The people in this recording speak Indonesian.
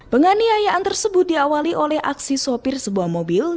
penganiayaan tersebut diawali oleh aksi sopir sebuah mobil